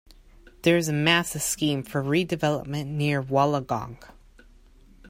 There is a massive scheme for redevelopment near Wollongong.